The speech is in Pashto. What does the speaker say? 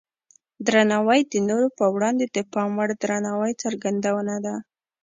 درناوی د نورو په وړاندې د پام وړ درناوي څرګندونه ده.